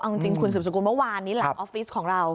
เอาจริงคุณสืบสกุลเมื่อวานนี้หลังออฟฟิศของเรา